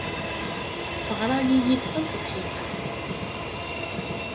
Teɣra-iyi-d taṣebḥit-a.